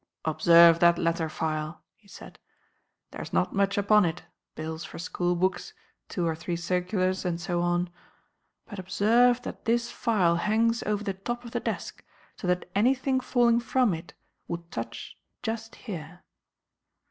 "Observe that letter file!" he said. "There is not much upon it, bills for school books, two or three circulars, and so on, but observe that this file hangs over the top of the desk, so that anything falling from it would touch just here.